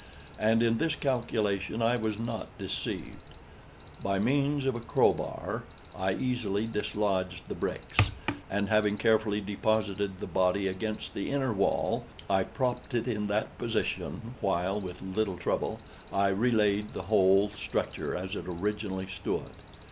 And in this calculation I was not deceived. By means of a crow bar I easily dislodged the bricks, and, having carefully deposited the body against the inner wall, I propped it in that position, while, with little trouble, I re laid the whole structure as it originally stood.